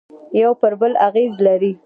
یوه پر بل اغېز لري